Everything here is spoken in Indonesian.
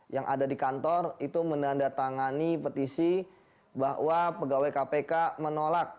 yang ada di kantor itu menandatangani petisi bahwa pegawai kpk menolak